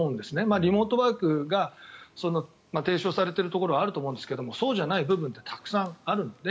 リモートワークが提唱されているところはあると思うんですけどそうじゃない部分ってたくさんあるので。